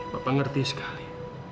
papa ngerti sekali